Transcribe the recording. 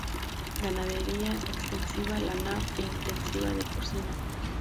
Ganadería extensiva lanar e intensiva de porcino.